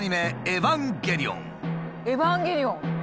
「エヴァンゲリオン」！